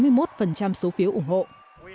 mỹ đã sẵn sàng dỡ bỏ các lệnh trừng phạt